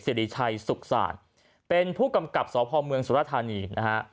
สิริชัยสุขศาลเป็นผู้กำกับสพเมืองสุรธานีนะฮะ